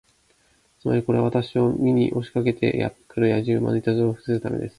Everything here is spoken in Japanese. つまり、これは私を見に押しかけて来るやじ馬のいたずらを防ぐためです。